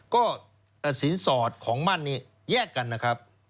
ก็แต่สินสอดของมั่นนี้แยกกันนะครับ